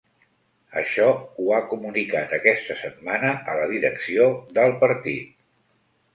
Així ho ha comunicat aquesta setmana a la direcció del del partit.